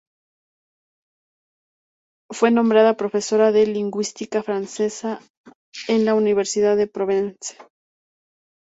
Fue nombrada profesora de Lingüística Francesa en la Universidad de Provence.